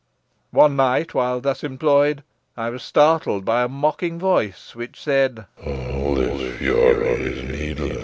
One night, while thus employed, I was startled by a mocking voice which said, "'All this fury is needless.